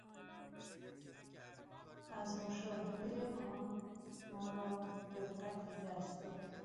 از مشاهدهٔ آن ما را رقتی دست داد.